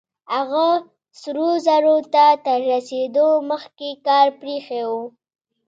هغه سرو زرو ته تر رسېدو مخکې کار پرېښی و.